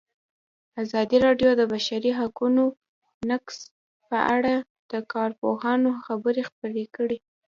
ازادي راډیو د د بشري حقونو نقض په اړه د کارپوهانو خبرې خپرې کړي.